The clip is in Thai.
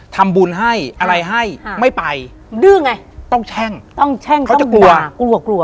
ทำบุญให้อะไรให้ไม่ไปดื้อไงต้องแช่งต้องแช่งเขาต้องกลัวกลัว